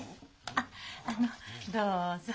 あっあのどうぞ。